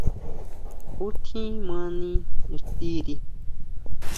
¿Ju tjín mani ixtiri?